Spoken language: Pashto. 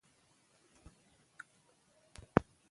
تر څو د معتبرو سرچینو په مرسته کره معلومات راټول او وړاندی کړم .